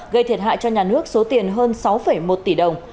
gây thiệt hại cho nhà nước số tiền hơn sáu một tỷ đồng